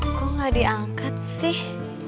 kok gak diangkat sih